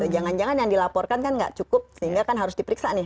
jangan jangan yang dilaporkan kan nggak cukup sehingga kan harus diperiksa nih